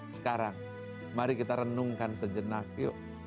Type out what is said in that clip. sekarang mari kita renungkan sejenak yuk